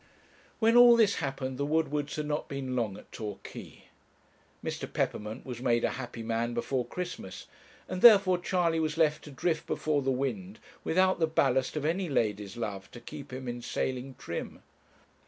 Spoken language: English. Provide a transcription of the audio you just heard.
When all this happened the Woodwards had not been long at Torquay. Mr. Peppermint was made a happy man before Christmas; and therefore Charley was left to drift before the wind without the ballast of any lady's love to keep him in sailing trim.